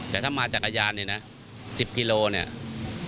แต่ถ้ามาจักรยาน๑๐กิโลกรัม